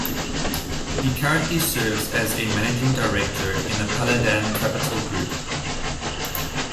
He currently serves as a Managing Director in the Paladin Capital Group.